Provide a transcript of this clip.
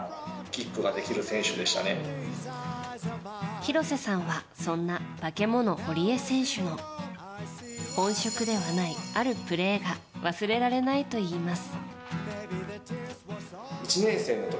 廣瀬さんは、そんなバケモノ、堀江選手の本職ではないあるプレーが忘れられないといいます。